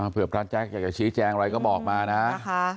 เพื่อพระแจ๊คอยากจะชี้แจงอะไรก็บอกมานะ